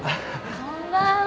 こんばんは。